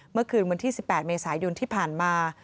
เมื่อคืนวันที่๑๘เมษายนที่ผ่านมา